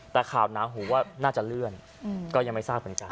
แต่ข่าวหนาหูว่าน่าจะเลื่อนก็ยังไม่ทราบเหมือนกัน